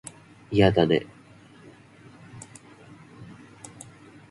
嫌だね